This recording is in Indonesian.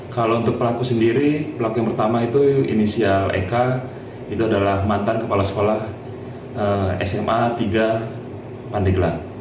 kalau untuk pelaku sendiri pelaku yang pertama itu inisial eka itu adalah mantan kepala sekolah sma tiga pandeglang